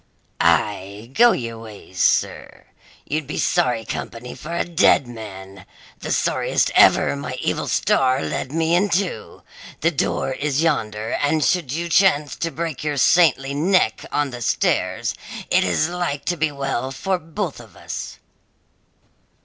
"Aye, go your ways, sir; you'd be sorry company for a dead man the sorriest ever my evil star led me into. The door is yonder, and should you chance to break your saintly neck on the stairs, it is like to be well for both of us."